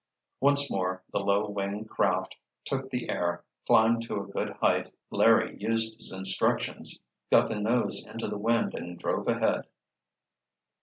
Once more the low wing craft took the air, climbed to a good height, Larry used his instructions, got the nose into the wind and drove ahead.